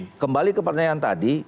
nah kembali ke pertanyaan tadi